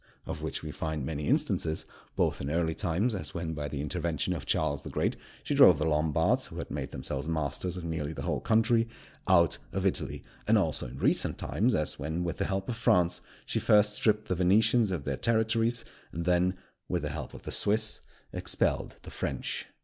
Of which we find many instances, both in early times, as when by the intervention of Charles the Great she drove the Lombards, who had made themselves masters of nearly the whole country, out of Italy; and also in recent times, as when, with the help of France, she first stripped the Venetians of their territories, and then, with the help of the Swiss, expelled the French.